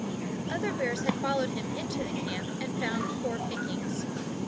Other bears had followed him into the camp and found poor pickings.